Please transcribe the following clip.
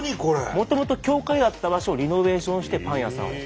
もともと教会だった場所をリノベーションしてパン屋さんを。